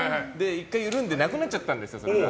１回緩んでなくなっちゃったんです、それが。